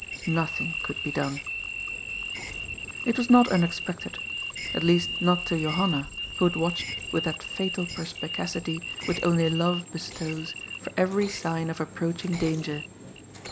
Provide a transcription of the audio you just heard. Nothing could be done. It was not unexpected. At least, not to Johanna, who had watched, with that fatal perspicacity which only love bestows, for every sign of approaching danger.